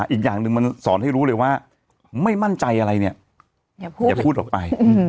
อีกอย่างหนึ่งมันสอนให้รู้เลยว่าไม่มั่นใจอะไรเนี่ยอย่าพูดออกไป